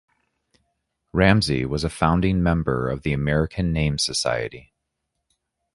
Ramsay was a founding member of the American Name Society.